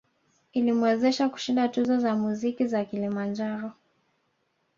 Ilimwezesha kushinda tuzo za muziki za Kilimanjaro